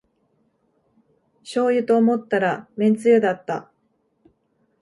しょうゆと思ったらめんつゆだった